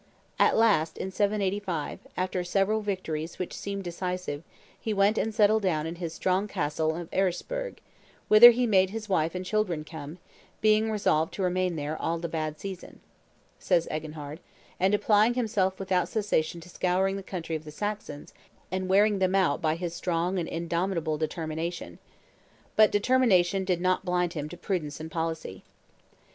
At last, in 785, after several victories which seemed decisive, he went and settled down in his strong castle of Ehresburg, "whither he made his wife and children come, being resolved to remain there all the bad season," says Eginhard, and applying himself without cessation to scouring the country of the Saxons and wearing them out by his strong and indomitable determination. But determination did not blind him to prudence and policy.